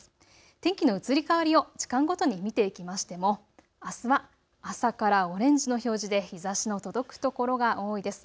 天気の移り変わりを時間ごとに見ていきましてもあすは朝からオレンジの表示で日ざしの届く所が多いです。